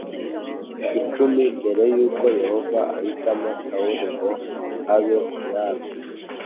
icumi mbere y uko Yehova ahitamo Sawuli ngo abe umwami